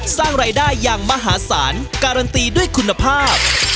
สร้างรายได้อย่างมหาศาลการันตีด้วยคุณภาพ